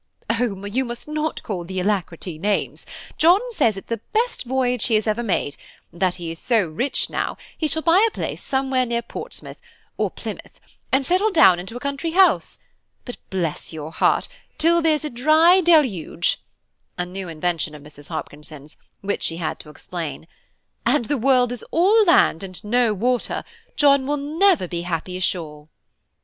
"Oh! you must not call the Alacrity names; John says it's the best voyage he has ever made; and that he is so rich now, he shall buy a place somewhere near Portsmouth, or Plymouth, and settle down into a country house; but, bless your heart, till there's a dry deluge," (a new invention of Mrs. Hopkinson's, which she had to explain), "and the world is all land and no water, John will never be happy ashore."